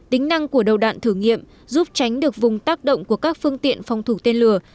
tính năng của đầu đạn thử nghiệm giúp tránh được vùng tác động của các phương tiện phòng thủ tên lửa